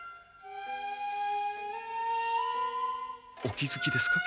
お気付きですか？